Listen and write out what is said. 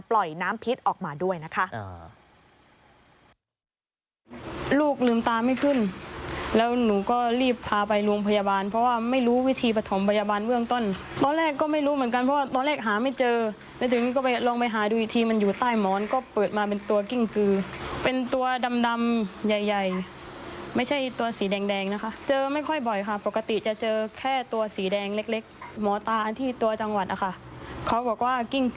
แล้วมันก็จะมีการปล่อยน้ำพิษออกมาด้วยนะคะ